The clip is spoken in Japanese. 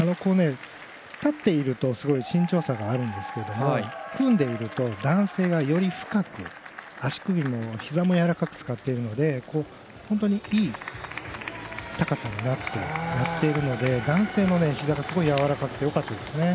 立っていると身長差があるんですけど組んでいると男性がより深く足首もひざもやわらかく使っているので本当にいい高さになっているので男性のひざが、すごいやわらかくよかったです。